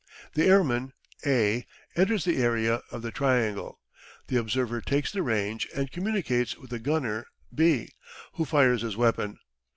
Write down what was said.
The airman A enters the area of the triangle. The observer takes the range and communicates with the gunner B, who fires his weapon.